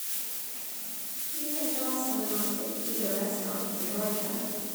me and jocelyn want to eat a restaurant in Georgia